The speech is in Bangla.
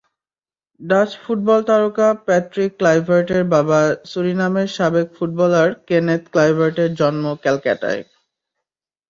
ডাচ ফুটবল তারকা প্যাট্রিক ক্লাইভার্টের বাবা সুরিনামের সাবেক ফুটবলার কেনেথ ক্লাইভার্টের জন্ম ক্যালকাটায়।